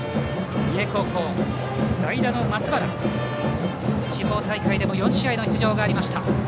三重高校代打の松原。地方大会でも４試合の出場がありました。